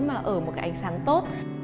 mà ở một cái ảnh sáng tốt